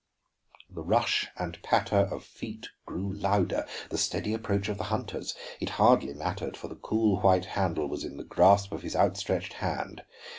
The rush and patter of feet grew louder, the steady approach of the hunters. It hardly mattered, for the cool white handle was in the grasp of his outstretched hand.